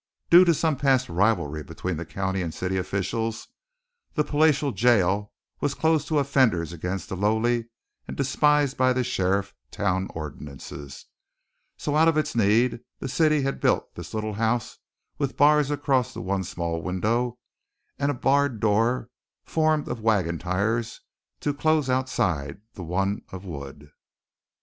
Due to some past rivalry between the county and city officials, the palatial jail was closed to offenders against the lowly and despised by the sheriff town ordinances. So, out of its need, the city had built this little house with bars across the one small window, and a barred door formed of wagon tires to close outside the one of wood.